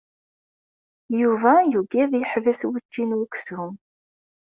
Yuba yugi ad yeḥbes učči n uksum.